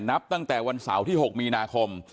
นับตั้งแต่วันเสาร์ที่๖มีนาคม